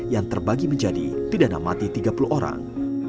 yang terbagi menjadi pidana mati tiga puluh orang